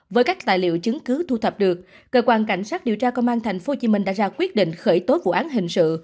với các tài liệu chứng cứ thu thập được cơ quan cảnh sát điều tra công an tp hcm đã ra quyết định khởi tố vụ án hình sự